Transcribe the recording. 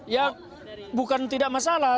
ya bukan tidak masalah